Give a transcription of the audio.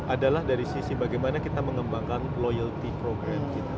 adalah dari sisi bagaimana kita mengembangkan loyalty program kita